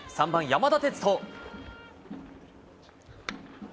３番、山田哲人。